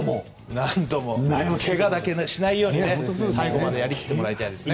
けがだけはしないように最後までやり切ってもらいたいですね。